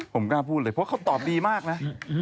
ผมกล้าพูดเลยเพราะเขาตอบดีมากนะ